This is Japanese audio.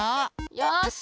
よし！